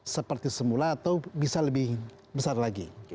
seperti semula atau bisa lebih besar lagi